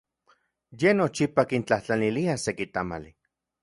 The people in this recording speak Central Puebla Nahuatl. Ye nochipa kintlajtlanilia seki tamali.